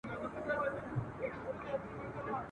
پردی ملا راغلی دی پردي یې دي نیتونه !.